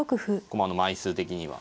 駒の枚数的には。